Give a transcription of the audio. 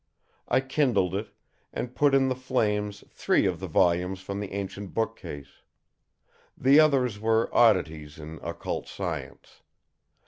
I kindled it, and put in the flames three of the volumes from the ancient bookcase. The others were oddities in occult science.